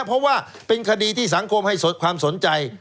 เพราะว่าเป็นคดีที่สังคมให้สดความสนใจ